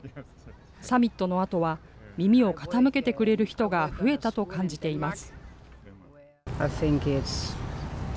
サミットのあとは耳を傾けてくれる人が増えたと感じています。